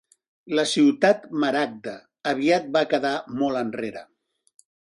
La Ciutat Maragda aviat va quedar molt enrere.